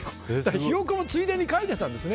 ひよこもついでに書いてたんですよね。